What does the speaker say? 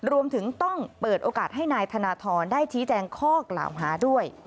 รวมถึงต้องเปิดโอกาสให้นายธนทรได้ชี้แจงข้อกล่าวหาด้วย